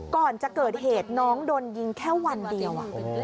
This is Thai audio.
ก่อนจะเกิดเหตุน้องโดนยิงแค่วันเดียว